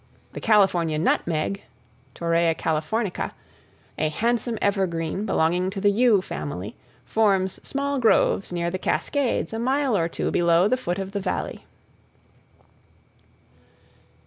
The California nutmeg (Torreya californica), a handsome evergreen belonging to the yew family, forms small groves near the cascades a mile or two below the foot of the Valley.